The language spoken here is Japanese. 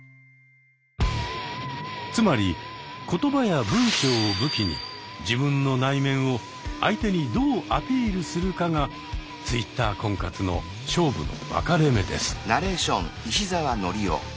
つまり言葉や文章を武器に「自分の内面」を相手にどうアピールするかがＴｗｉｔｔｅｒ婚活の勝負の分かれ目です。